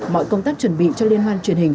mọi công tác chuẩn bị cho liên hoan truyền hình